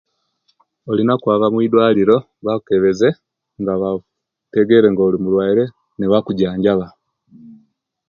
Olina okwaba muidwaliro bakebeze nga bategere nga olimulwaire nibakujanjabya